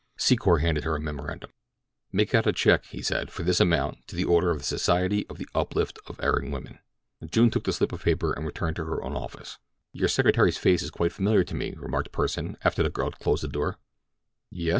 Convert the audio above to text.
Secor handed her a memorandum. "Make out a check," he said, "for this amount to the order of the Society for the Uplift of Erring Women." June took the slip of paper and returned to her own office. "Your secretary's face is quite familiar to me," remarked Pursen, after the girl had closed the door. "Yes?"